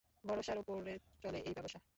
ভরসার উপরে চলে এই ব্যবসা!